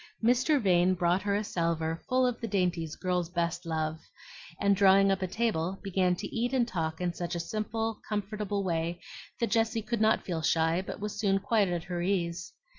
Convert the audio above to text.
Mr. Vane brought her a salver full of the dainties girls best love, and drawing up a table began to eat and talk in such a simple, comfortable way that Jessie could not feel shy, but was soon quite at her ease.